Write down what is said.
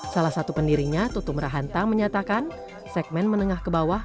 salah satu pendirinya tutum rahanta menyatakan segmen menengah ke bawah